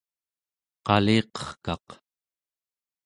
qaliqerkaq